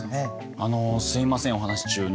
あのすみませんお話し中に。